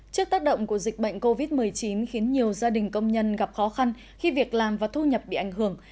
trước tác động của dịch bệnh covid một mươi chín khiến nhiều gia đình công nhân gặp khó khăn khi việc làm và thu nhập bị ảnh hưởng